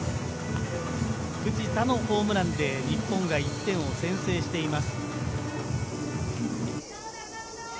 藤田のホームランで日本が１点を先制しています。